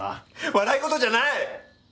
笑い事じゃない！